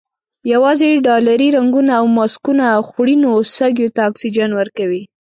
یوازې ډالري رنګونه او ماسکونه خوړینو سږیو ته اکسیجن ورکوي.